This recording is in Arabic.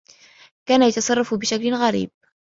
كان يتصرّف بشكل غريب.